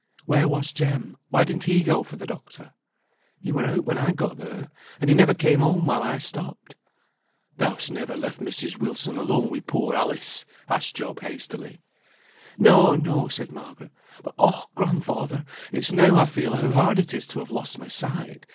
"Where was Jem? Why didn't he go for the doctor?" "He were out when I got there, and he never came home while I stopped." "Thou'st never left Mrs. Wilson alone wi' poor Alice?" asked Job, hastily. "No, no," said Margaret. "But, oh! grandfather; it's now I feel how hard it is to have lost my sight.